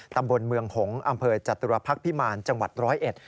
ตำบลเมืองหงษ์อำเภอจตุรพักษ์พิมารจังหวัดร้อยเอ็ด